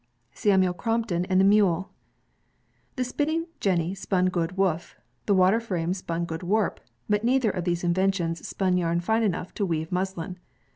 Samuel Crompton and the Mule The spinning jenny spun good woof. The water frame spun good warp. But neither of these inventions spun yarn fine enough to weave muslin.